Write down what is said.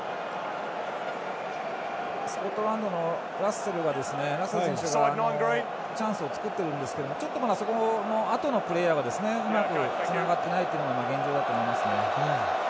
スコットランドのラッセル選手がチャンスを作っているんですがちょっとまだそのあとのプレーヤーがうまくつながっていないのが現状だと思います。